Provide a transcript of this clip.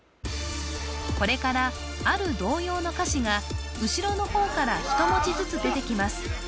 これからある童謡の歌詞が後ろの方から１文字ずつ出てきます